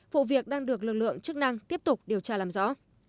vụ việc đang được lực lượng chức năng tiếp tục điều tra làm rõ